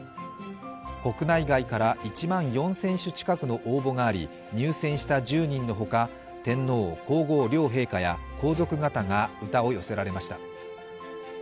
国内外から１万４０００首近くの公募があり入選した１０人のほか、天皇皇后両陛下や皇族方が歌を寄せられました。